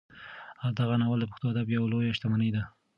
دغه ناول د پښتو ادب یوه لویه شتمني ده.